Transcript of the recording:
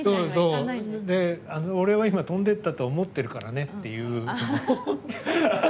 俺は今飛んでいったと思ってるからねっていう。